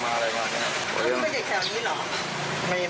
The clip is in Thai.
ไม่ได้เด็กแถวนี้หรอ